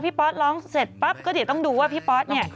พอพี่ปอสร้องเสร็จปั๊บก็จะต้องดูว่าพี่ปอสเนี่ย